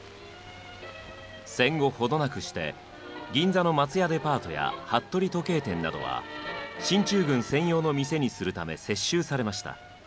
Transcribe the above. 戦後程なくして銀座の松屋デパートや服部時計店などは進駐軍専用の店にするため接収されました。